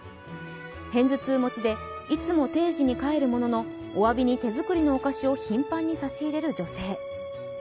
偏頭痛持ちでいつも定時に帰るもののおわびに手作りのお菓子を頻繁に差し入れる女性。